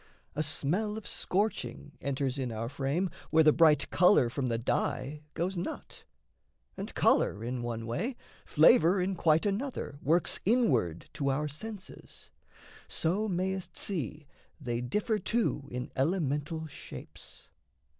A smell of scorching enters in our frame Where the bright colour from the dye goes not; And colour in one way, flavour in quite another Works inward to our senses so mayst see They differ too in elemental shapes.